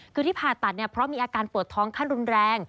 คือที่ผ่าตัดเนี่ยเพราะมีอาการปวดท้องขั้นรุนแรง